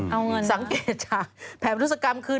เอาเงินนะสังเกตจากแผนบริษกรรมคือ